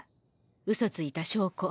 うそついた証拠。